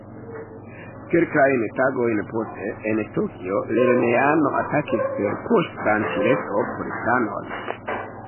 Kelkajn tagojn poste, en Tokio, lernejano atakis per poŝtranĉileto policanon.